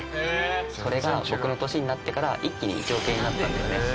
それが僕の年になってから一気に１億円になったんだよね。